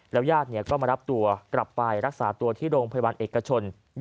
แล้วยาดก็มารับตัวกลับไปรักษาตัวที่โรงพยาบาลเอกชนย่านสุขุมวิทย์